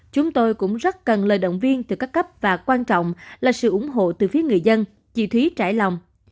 chúng tôi cũng rất cần lời động viên từ các cấp và quan trọng là sự ủng hộ từ phía người dân chị thúy trải lòng